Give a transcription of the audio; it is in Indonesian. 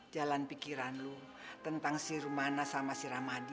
jalan pikiran lo tentang si rumana sama si ramadi